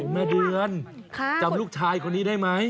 แม่เดือนจำลูกชายคนนี้ได้ไหม